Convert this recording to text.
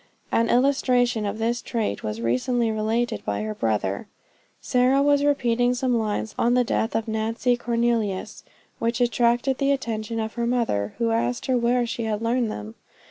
An illustration of this trait was recently related by her brother. Sarah was repeating some lines on the death of Nancy Cornelius, which attracted the attention of her mother, who asked her where she had learned them.